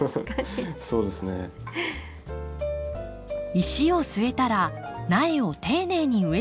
石を据えたら苗を丁寧に植え付けていきます。